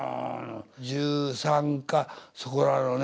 １３かそこらのね